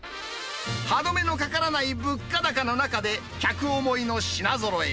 歯止めのかからない物価高の中で、客思いの品ぞろえ。